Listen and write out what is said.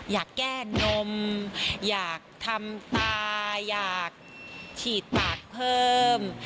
อยากฉีดปากเพิ่ม